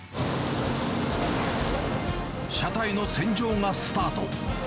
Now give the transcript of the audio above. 車体の洗浄がスタート。